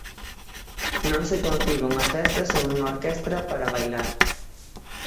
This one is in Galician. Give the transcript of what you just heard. Non se concibe unha festa sen unha orquestra para bailar.